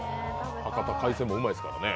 博多は海鮮丼がうまいですからね。